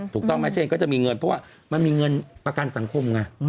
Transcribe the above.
ถูกต้องไหมเช่นก็จะมีเงินเพราะว่ามันมีเงินประกันสังคมไง